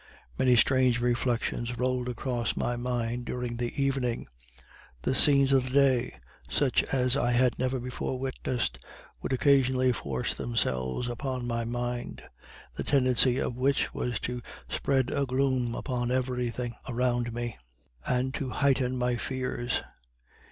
Many strange reflections rolled across my mind during the evening. The scenes of the day such as I had never before witnessed would occasionally force themselves upon my mind, the tendency of which was to spread a gloom upon every thing around me, and to heighten my fears.